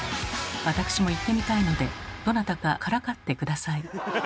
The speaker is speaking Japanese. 私も言ってみたいのでどなたかからかって下さい。